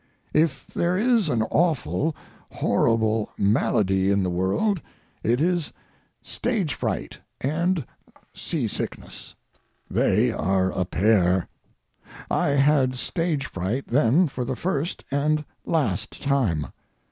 If there is an awful, horrible malady in the world, it is stage fright and seasickness. They are a pair. I had stage fright then for the first and last time.